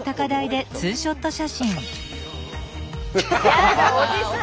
嫌だおじさん。